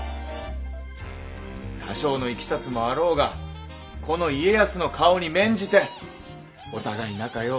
多少のいきさつもあろうがこの家康の顔に免じてお互い仲良う